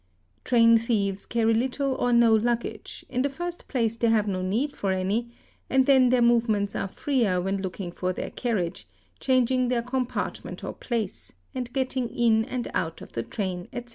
ACCOMPLICES 697 Train thieves carry little or no luggage; in the first place they have no need for any, and then their movements are freer when looking for their carriage, changing their compartment or place, and getting in and out of the train, etc.